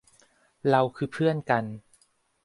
เราคือเพื่อนกัน